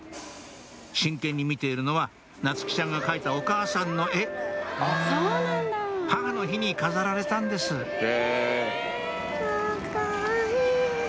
真剣に見ているのは夏希ちゃんが描いたお母さんの絵母の日に飾られたんですあかわいい。